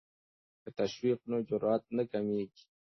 که تشویق وي نو جرات نه کمېږي.